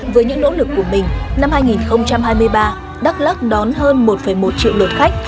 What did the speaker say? với những nỗ lực của mình năm hai nghìn hai mươi ba đắk lắc đón hơn một một triệu lượt khách